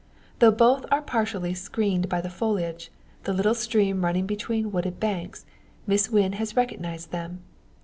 Though both are partially screened by the foliage, the little stream running between wooded banks, Miss Wynn has recognised them.